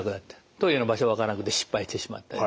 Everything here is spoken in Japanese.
トイレの場所がわからなくて失敗してしまったり。